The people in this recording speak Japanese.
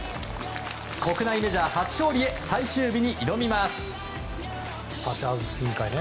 国内メジャー初勝利へ最終日に挑みます。